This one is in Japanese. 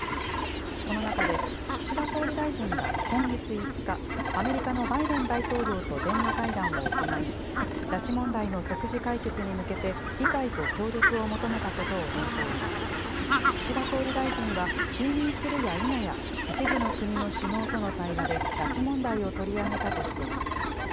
この中で、岸田総理大臣が今月５日、アメリカのバイデン大統領と電話会談を行い、拉致問題の即時解決に向けて理解と協力を求めたことを念頭に、岸田総理大臣は就任するやいなや、一部の国の首脳との対話で、拉致問題を取り上げたとしています。